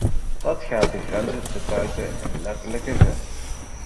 Dat gaat de grenzen te buiten in letterlijke zin.